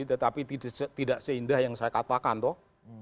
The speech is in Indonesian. tetapi tidak seindah yang saya katakan toh